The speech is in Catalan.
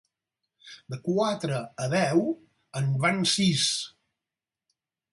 De quatre a deu en van sis.